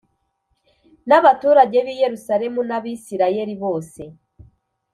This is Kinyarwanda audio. n abaturage b i Yerusalemu n Abisirayeli bose